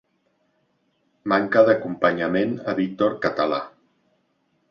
Manca d'acompanyament a Víctor Català.